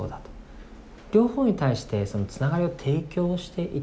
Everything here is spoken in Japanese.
両方に対してそのつながりを提供していたわけですよね。